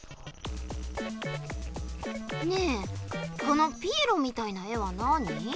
ねえこのピエロみたいな絵は何？